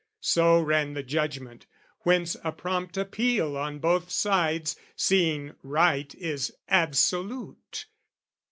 So ran the judgment: whence a prompt appeal On both sides, seeing right is absolute.